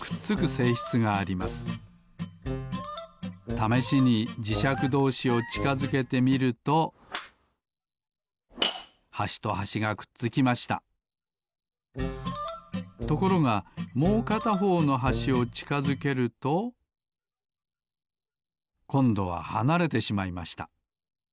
ためしにじしゃくどうしをちかづけてみるとはしとはしがくっつきましたところがもうかたほうのはしをちかづけるとこんどははなれてしまいました。